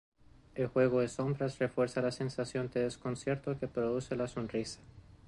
El juego de sombras refuerza la sensación de desconcierto que produce la sonrisa.